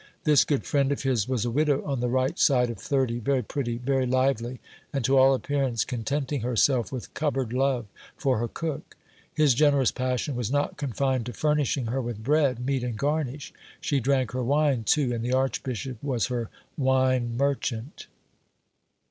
This good friend of his was a widow on the right side of thirty, very pretty, very lively, and to all appearance contenting herself with cupboard love for her cook. His generous passion was not confined to furnishing her with bread, meat, and garnish ; she drank her wine too, and the archbishop was her wine merchant.